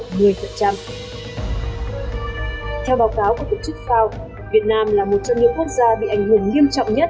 theo báo cáo của tổ chức fao việt nam là một trong những quốc gia bị ảnh hưởng nghiêm trọng nhất